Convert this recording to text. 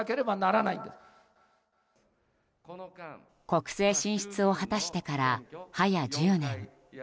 国政進出を果たしてから早１０年。